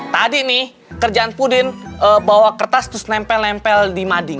tadi nih kerjaan pudin bawa kertas terus nempel nempel di mading